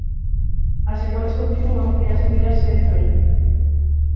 As secuelas continúan e as dubidas seguen aí.